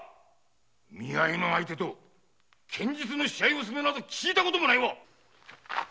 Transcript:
見合い相手と剣術の試合など聞いたこともない！